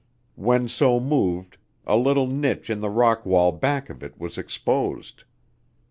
When so moved a little niche in the rock wall back of it was exposed.